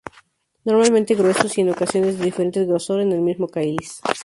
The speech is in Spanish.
Normalmente gruesos, y en ocasiones de diferente grosor en el mismo cáliz.